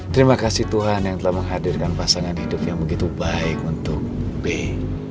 terima kasih tuhan yang telah menghadirkan pasangan hidup yang begitu baik untuk bei